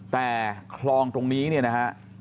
แต่คลองตรงนี้เนี่ยนะฮะ